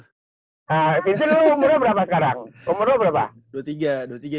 vincent lu umurnya berapa sekarang umurnya berapa